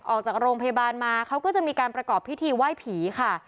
ออกจากโรงพยาบาลมาเขาก็จะมีการประกอบพิธีไหว้ผีค่ะ